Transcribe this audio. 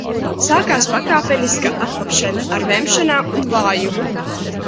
Sākās pakāpeniska atlabšana, ar vemšanām un vājumu.